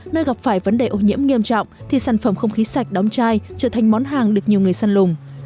nơi gặp phải vấn đề ô nhiễm nghiêm trọng thì sản phẩm không khí sạch đóng chai trở thành món hàng được nhiều người săn lùng